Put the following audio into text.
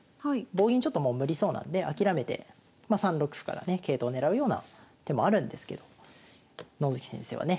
棒銀ちょっともう無理そうなので諦めてま３六歩からね桂頭を狙うような手もあるんですけど野月先生はね